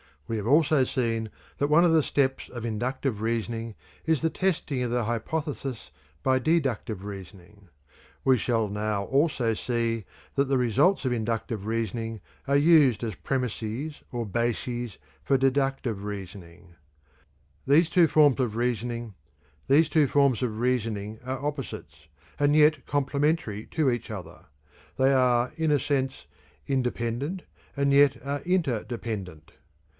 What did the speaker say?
We have also seen that one of the steps of inductive reasoning is the testing of the hypothesis by deductive reasoning. We shall now also see that the results of inductive reasoning are used as premises or bases for deductive reasoning. These two forms of reasoning are opposites and yet complementary to each other; they are in a sense independent and yet are interdependent.